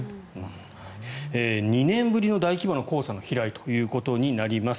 ２年ぶりの大規模な黄砂の飛来となります。